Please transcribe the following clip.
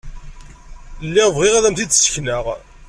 Lliɣ bɣiɣ ad am-t-id-ssekneɣ.